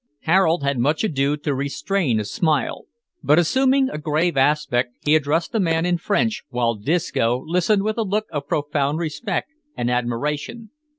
Harold had much ado to restrain a smile, but, assuming a grave aspect, he addressed the man in French, while Disco listened with a look of profound respect and admiration.